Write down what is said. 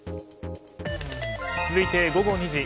続いて、午後２時。